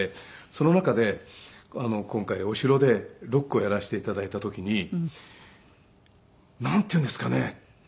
その中で今回お城でロックをやらせて頂いた時になんていうんですかね。